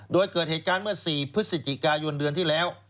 โดยเกิดเหตุการณ์เมื่อ๔พฤศจิกายนเดือนที่แล้ว